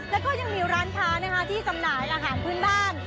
แล้วก็ยังมีร้านค้าที่จำหน่ายอาหารพื้นบ้าน